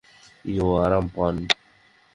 ইয়ো, আরাম পান।